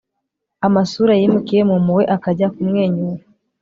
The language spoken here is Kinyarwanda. amasura yimukiye mu mpuhwe akajya kumwenyura